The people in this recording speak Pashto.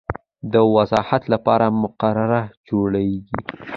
د وضاحت لپاره مقرره جوړیږي.